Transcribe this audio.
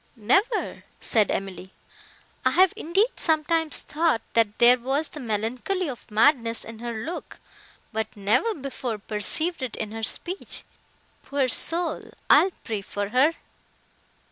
"Never," said Emily. "I have, indeed, sometimes, thought, that there was the melancholy of madness in her look, but never before perceived it in her speech. Poor soul, I will pray for her!"